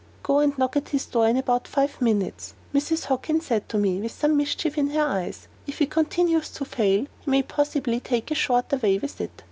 "Go and knock at his door in about five minutes," Mrs. Hockin said to me, with some mischief in her eyes. "If he continues to fail, he may possibly take a shorter way with it.